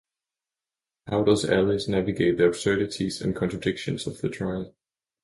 How does Alice navigate the absurdities and contradictions of the trial?